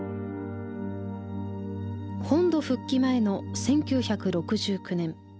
本土復帰前の１９６９年。